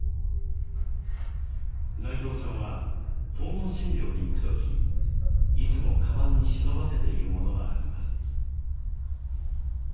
内藤さんは訪問診療に行くときいつも、かばんに忍ばせているものがあります。